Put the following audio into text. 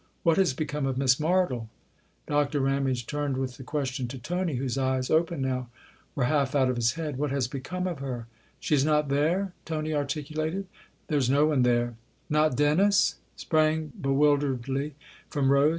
" What has become of Miss Martle ?" Dr. Ramage turned with the question to Tony, whose eyes, open now, were half out of his head. " What has become of her ?"" She's not there ?" Tony articulated. " There's no one there." " Not Dennis ?" sprang bewilderedly from Rose.